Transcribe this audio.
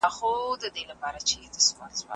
استازي چیري د قانون واکمني پیاوړي کوي؟